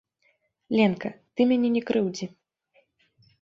Ленка, ты мяне не крыўдзі!